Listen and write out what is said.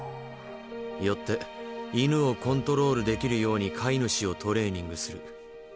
よって「犬をコントロールできるように飼い主をトレーニングする」。